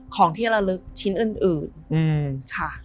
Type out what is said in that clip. ของที่ระลึกชิ้นอื่นค่ะ